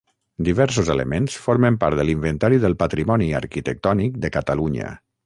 Diversos elements formen part de l'Inventari del Patrimoni Arquitectònic de Catalunya.